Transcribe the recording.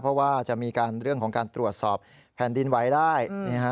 เพราะว่าจะมีการเรื่องของการตรวจสอบแผ่นดินไหวได้